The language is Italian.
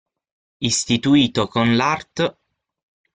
Istituito con l'art.